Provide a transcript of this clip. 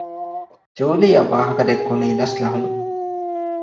ޖޫލީއަށް ވާހަކަދެއްކުނީ ލަސްލަހުން